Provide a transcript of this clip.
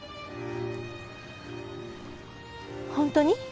本当に？